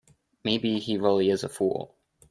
Maybe he really is a fool.